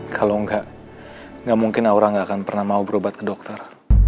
kalau enggak gak mungkin aura gak akan pernah mau berobat ke dokter